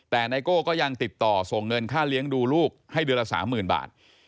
แต่ไนโก้ก็ยังติดต่อส่งเงินค่าเลี้ยงดูลูกให้เดือนละ๓๐๐๐บาท